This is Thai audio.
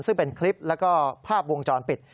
ซึ่งเป็นคลิปแล้วก็ภาพวงจรปิด